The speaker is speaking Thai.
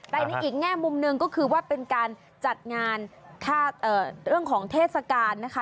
แต่ในอีกแง่มุมหนึ่งก็คือว่าเป็นการจัดงานเรื่องของเทศกาลนะคะ